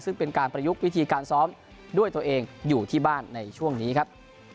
ซึ่งเป็นการประยุกต์วิธีการซ้อมด้วยตัวเองอยู่ที่บ้านในช่วงนี้ครับ